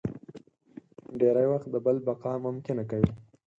ډېری وخت د بل بقا ممکنه کوي.